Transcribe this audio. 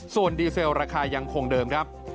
ส่วนดีเซลราคายังคงเดิมครับ